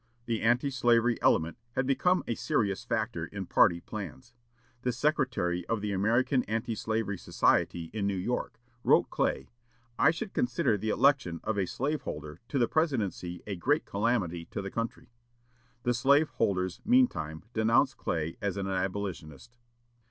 The anti slavery element had become a serious factor in party plans. The secretary of the American Anti Slavery Society in New York wrote Clay: "I should consider the election of a slave holder to the presidency a great calamity to the country." The slave holders meantime denounced Clay as an abolitionist.